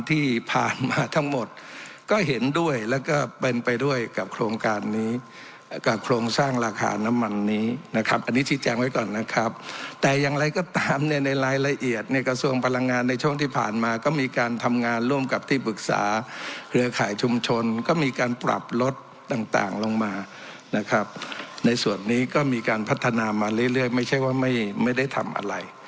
ที่ผ่านมาทั้งหมดก็เห็นด้วยแล้วก็เป็นไปด้วยกับโครงการนี้กับโครงสร้างราคาน้ำมันนี้นะครับอันนี้ชี้แจงไว้ก่อนนะครับแต่อย่างไรก็ตามเนี่ยในรายละเอียดในกระทรวงพลังงานในช่วงที่ผ่านมาก็มีการทำงานร่วมกับที่ปรึกษาเครือข่ายชุมชนก็มีการปรับลดต่างลงมานะครับในส่วนนี้ก็มีการพัฒนามาเรื่อยไม่ใช่ว่าไม่ไม่ได้ทำอะไร